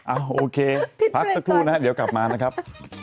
โอเคพักสักครู่นะฮะเดี๋ยวกลับมานะครับ